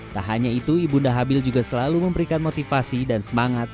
tak hanya itu ibunda habil juga selalu memberikan motivasi dan semangat